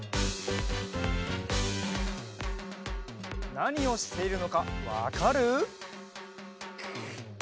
なにをしているのかわかる？